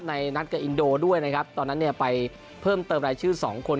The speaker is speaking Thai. นัดกับอินโดด้วยนะครับตอนนั้นเนี่ยไปเพิ่มเติมรายชื่อสองคน